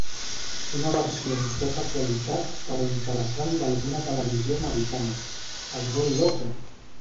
Una versió amb poca qualitat però interessant d’alguna televisió americana: el ‘gol loco’!